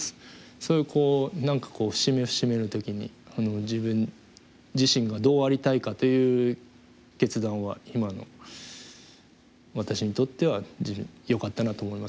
そういう節目節目の時に自分自身がどうありたいかという決断は今の私にとってはよかったなと思います。